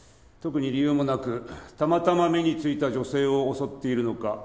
特に理由もなくたまたま目に付いた女性を襲っているのか